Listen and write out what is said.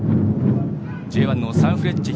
Ｊ１のサンフレッチェ